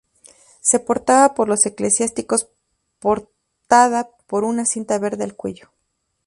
Se portaba por los eclesiásticos portada por una cinta verde al cuello.